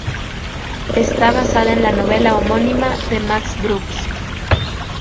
Está basada en la novela homónima de Max Brooks.